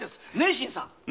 新さん。